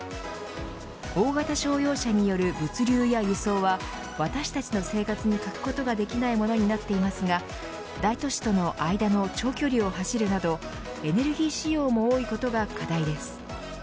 大型商用車による物流や輸送は私たちの生活に欠くことができないものになっていますが大都市との間の長距離を走るなどエネルギー使用も多いことが課題です。